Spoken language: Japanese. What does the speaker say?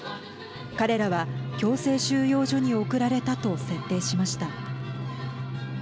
彼らは強制収容所に送られたと設定しました。